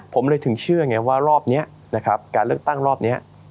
ผมเลยถึงเชื่อไงว่ารอบนี้นะครับการเลือกตั้งรอบนี้